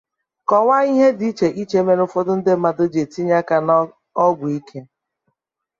kọwaa ihe dị iche iche mere ụfọdụ ndị mmadụ ji etinye aka n'ọgwụ ike